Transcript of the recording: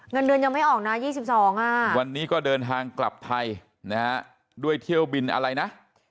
เงินเดือนยังไม่ออกนะ๒๒วันนี้ก็เดินทางกลับไทยนะฮะด้วยเที่ยวบินอะไรนะ